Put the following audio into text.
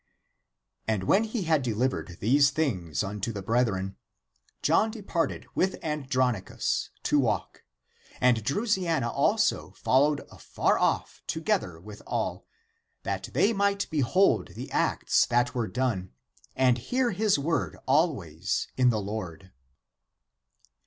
And when he had delivered these things unto the brethren, John departed with Andronicus to walk; and Drusiana also followed afar off to gether with all, that they might behold the acts that were done and hear his word always in the Lord.